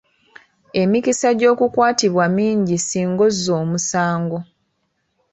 Emikisa gy'okukwatibwa mingi singa ozza omusango.